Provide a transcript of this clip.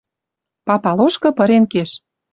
Папа лошкы пырен кеш.